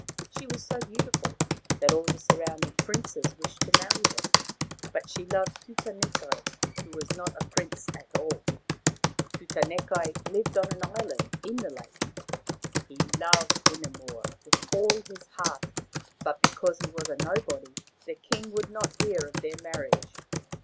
She was so beautiful that all the surrounding princes wished to marry her ; but she loved Tutanekai, who was not a prince at all. Tutanekai lived on an island in the lake. He loved Hinemoa with all his heart, but because he was a nobody the king would not hear of their marriage.